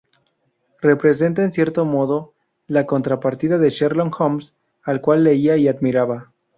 Representa, en cierto modo, la contrapartida de Sherlock Holmes, al cual leía y admiraba.